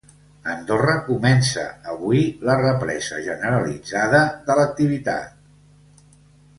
Andorra comença avui la represa generalitzada de l’activitat.